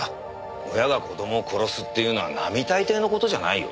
親が子供を殺すっていうのは並大抵の事じゃないよ。